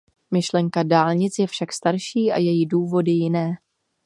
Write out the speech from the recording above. Myšlenka dálnic je však starší a její důvody jiné.